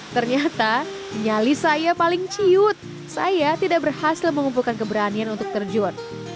ternyata nyali saya paling ciut saya tidak berhasil mengumpulkan keberanian untuk terjun